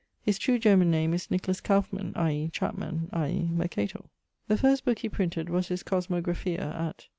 His true German name is Nicolas Kauffman, i.e. chapman, i.e. Mercator. The first booke he printed was his Cosmographia, at